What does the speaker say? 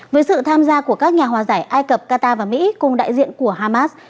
với sự tham gia của các nhà hòa giải ai cập qatar và mỹ cùng đại diện của hamas